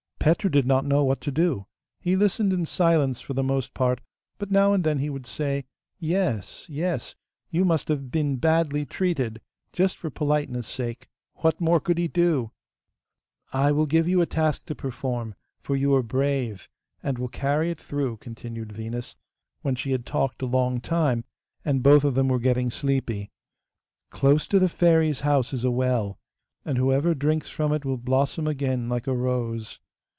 Petru did not know what to do. He listened in silence for the most part, but now and then he would say, 'Yes, yes, you must have been badly treated,' just for politeness' sake; what more could he do? 'I will give you a task to perform, for you are brave, and will carry it through,' continued Venus, when she had talked a long time, and both of them were getting sleepy. 'Close to the Fairy's house is a well, and whoever drinks from it will blossom again like a rose.